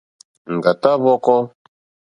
Ŋɡàtá hwɔ̄kɔ̄.